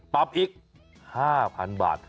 ปรับอีก๕๐๐๐บาท